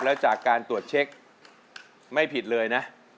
แล้วจากการตรวจเช็คไม่ผิดเลยนะ